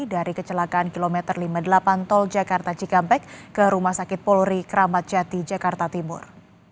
dari kecelakaan km lima puluh delapan tol jakarta cikampek ke rumah sakit polri kramat jati jakarta timur